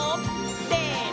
せの！